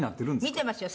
見てますよ。